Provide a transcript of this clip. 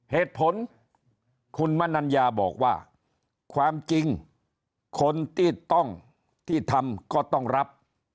เหตุผลคุณมนัญญาบอกว่าความจริงคนที่ต้องที่ทำก็ต้องรับ